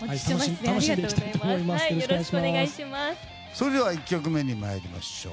それでは１曲目に参りましょう。